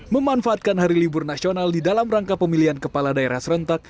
memanfaatkan hari libur nasional di dalam rangka pemilihan kepala daerah serentak